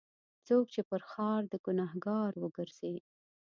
څوک چې پر ښار د ګناهکارو ګرځي.